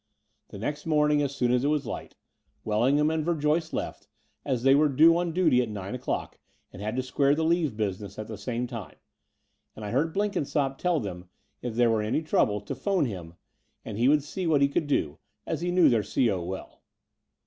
The next morning, as soon as it was light, Wellingham and Verjoyce left, as they were due on duty at nine o'clock and had to square the leave business at the same time : and I heard Blenkinsopp tell them, if there were any trouble, to 'phone him, and he would see what he could do, as he knew their CO. well.